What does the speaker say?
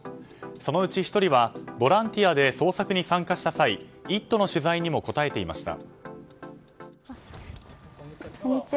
そのうち１人はボランティアで捜索に参加した際「イット！」の取材にも答えていました。